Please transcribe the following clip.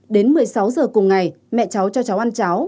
đến một mươi sáu h cùng ngày mẹ cháu cho cháu ăn cháo